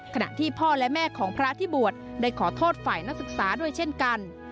ขณะที่พ่อและแม่ของพระที่บวชได้ขอโทษฝ่ายนักศึกษาด้วยเช่นกัน